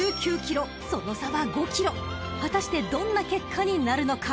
［果たしてどんな結果になるのか？］